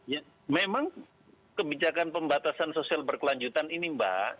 ya memang kebijakan pembatasan sosial berkelanjutan ini mbak